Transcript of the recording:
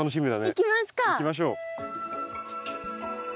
行きましょう。